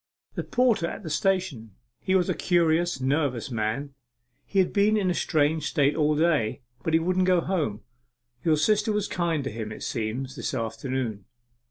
'A porter at the station. He was a curious nervous man. He had been in a strange state all day, but he wouldn't go home. Your sister was kind to him, it seems, this afternoon.